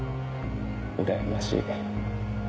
うらやましい。